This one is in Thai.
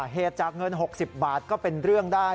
เหตุจากเงิน๖๐บาทก็เป็นเรื่องได้